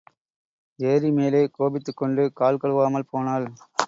ஏரி மேலே கோபித்துக் கொண்டு கால் கழுவாமல் போனாள்.